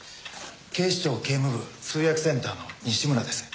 警視庁警務部通訳センターの西村です。